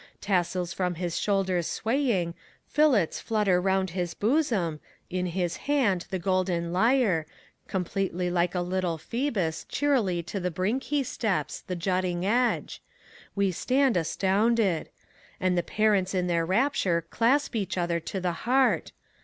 Tassels from his shoulders swaying, fillets flutter round his bosom, In his hand the golden lyre, completely like a little Phoebus, Cheerily to the brink he steps, the jutting edge: we stand astounded. And the parents in their rapture clasp each other to the heart.